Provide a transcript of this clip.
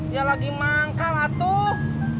ya lagi manggal atuh